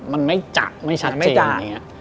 มันไม่จัดไม่ชัดไม่จัดอย่างนี้